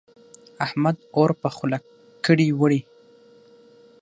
احمد اور په خوله کړې وړي.